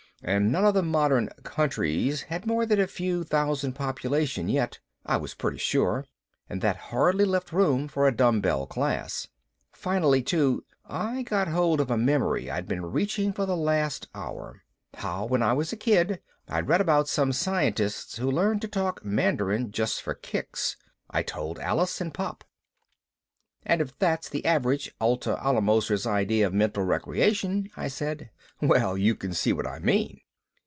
And none of the modern "countries" had more than a few thousand population yet, I was pretty sure, and that hardly left room for a dumbbell class. Finally, too, I got hold of a memory I'd been reaching for the last hour how when I was a kid I'd read about some scientists who learned to talk Mandarin just for kicks. I told Alice and Pop. "And if that's the average Atla Alamoser's idea of mental recreation," I said, "well, you can see what I mean."